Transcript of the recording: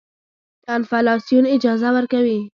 انفلاسیون اجازه ورکوي.